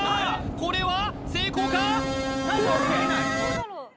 これは成功か？